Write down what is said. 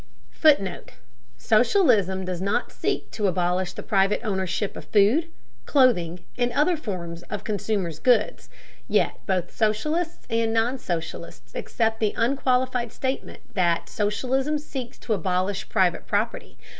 [Footnote: Socialism does not seek to abolish the private ownership of food, clothing, and other forms of consumers' goods, yet both socialists and non socialists accept the unqualified statement that "socialism seeks to abolish private property."